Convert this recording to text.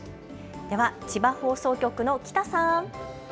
では千葉放送局の喜多さん。